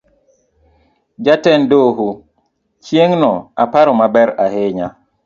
Jatend doho, chieng' no aparo maber ahinya.